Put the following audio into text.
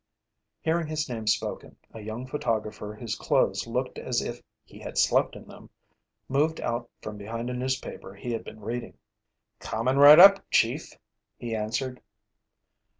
Hearing his name spoken, a young photographer whose clothes looked as if he had slept in them, moved out from behind a newspaper he had been reading. "Coming right up, Chief," he answered.